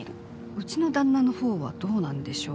うちの旦那のほうはどうなんでしょう？